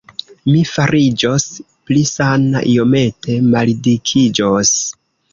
Mi fariĝos pli sana, iomete maldikiĝos.